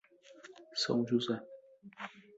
São José